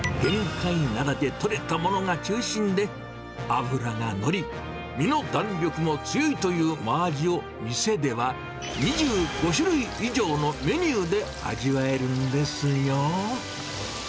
玄海灘で取れたものが中心で、脂が乗り、身の弾力も強いというマアジを店では２５種類以上のメニューで味わえるんですよ。